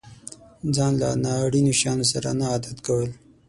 ځان له نا اړينو شيانو سره نه عادت کول.